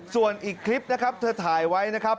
ส่วนอีกคลิปนะครับเธอถ่ายไว้นะครับ